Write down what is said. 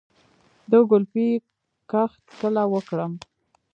د ګلپي کښت کله وکړم؟